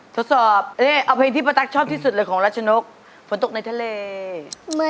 ทดสอบเอาเพลงที่ป้าตั๊กชอบที่สุดเลยของรัชนกฝนตกในทะเล